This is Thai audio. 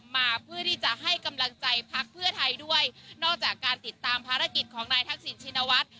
มาเพื่อที่จะให้กำลังใจพักเพื่อไทยด้วยนอกจากการติดตามภารกิจของนายทักษิณชินวัฒน์